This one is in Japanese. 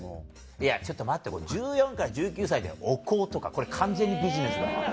いやちょっと待って１４歳から１９歳でお香とかこれ完全にビジネスだわ。